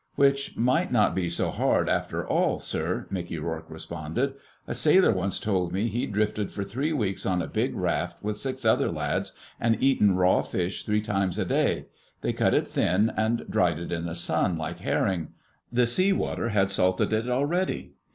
"Which might not be so hard, after all, sir," Mickey Rourke responded. "A sailor once told me he'd drifted for three weeks on a big raft with six other lads, and eaten raw fish three times a day. They cut it thin and dried it in the sun, like herring. The sea water had salted it already.